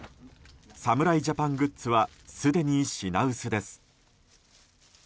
侍ジャパングッズはすでに品薄です。